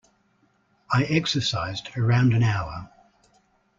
I exercised around an hour.